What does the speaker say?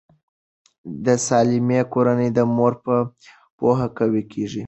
د سالمې کورنۍ د مور په پوهه قوي کیږي.